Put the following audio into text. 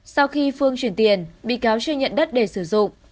sau khi phương chuyển tiền bị cáo chưa nhận đất để sử dụng